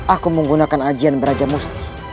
aku menggunakan agian berajamusti